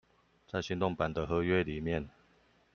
在行動版的合約裡面